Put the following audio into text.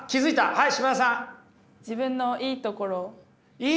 はい嶋田さん！